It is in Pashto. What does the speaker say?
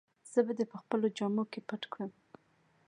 زه به دي په خپلو جامو کي پټ کړم.